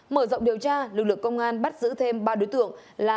mở rộng điều tra lực lượng công an bắt giữ thêm ba đối tượng là